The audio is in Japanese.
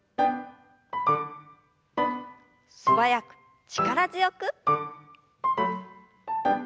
素早く力強く。